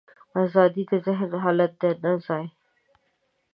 ازادي د ذهن حالت دی، نه ځای.